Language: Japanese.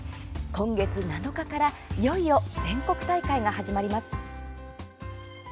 今月７日からいよいよ全国大会が始まります。